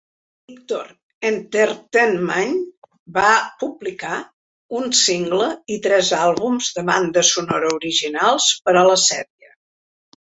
Victor Entertainment va publicar un single i tres àlbums de banda sonora originals per a la sèrie.